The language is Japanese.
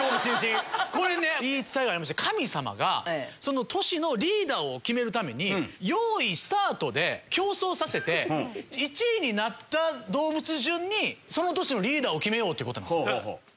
これね言い伝えがありまして神様がその年のリーダーを決めるためによいスタート！で競争させて１位になった動物順にその年のリーダーを決めようって。